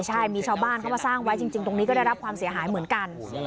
จริงตรงนี่ก็ได้รับความเสียหายเหมือนกัน